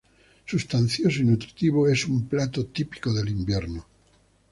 Sustancioso y nutritivo es un plato típico del invierno.